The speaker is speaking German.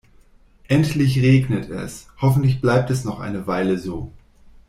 Endlich regnet es, hoffentlich bleibt es noch eine Weile so.